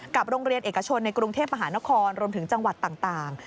โรงเรียนเอกชนในกรุงเทพมหานครรวมถึงจังหวัดต่าง